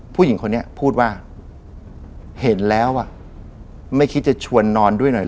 ผู้หญิงคนนี้พูดว่าเห็นแล้วอ่ะไม่คิดจะชวนนอนด้วยหน่อย